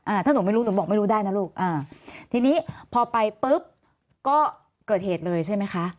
ถ้าหนูไม่รู้หนูบอกไม่รู้ได้นะลูกอ่าทีนี้พอไปปุ๊บก็เกิดเหตุเลยใช่ไหมคะ